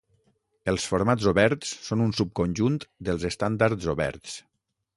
Els formats oberts són un subconjunt dels estàndards oberts.